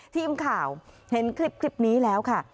ทีมข่าวเห็นคลิปนี้แล้วค่ะ